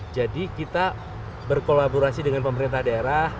jadi kita berkolaborasi dengan pemerintah daerah